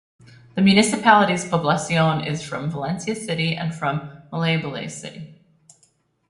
The municipality's Poblacion is from Valencia City and from Malaybalay City.